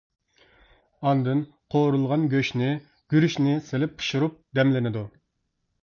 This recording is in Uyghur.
ئاندىن قورۇلغان گۆشنى، گۈرۈچنى سېلىپ پىشۇرۇپ دەملىنىدۇ.